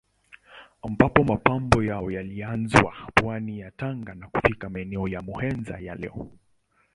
Ambapo mapambano yao yalianza pwani ya Tanga na kufika maeneo ya Muheza ya leo.